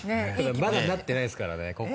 まだなってないですから。